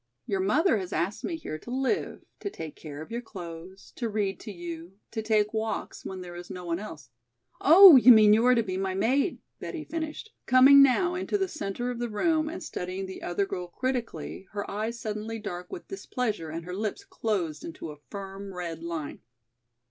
Your mother has asked me here to live, to take care of your clothes, to read to you, to take walks when there is no one else " "Oh, you mean you are to be my maid," Betty finished, coming now into the center of the room and studying the other girl critically, her eyes suddenly dark with displeasure and her lips closed into a firm red line.